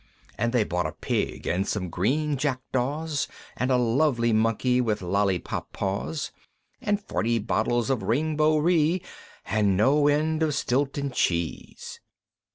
And they bought a Pig, and some green Jack daws, And a lovely Monkey with lollipop paws, And forty bottles of Ring Bo Ree, And no end of Stilton Cheese.